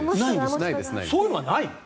そういうのはない。